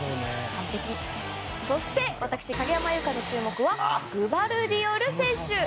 そして、私、影山優佳の注目はグバルディオル選手。